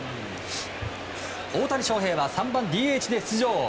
大谷翔平は３番ＤＨで出場。